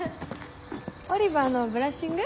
オリバーのブラッシング？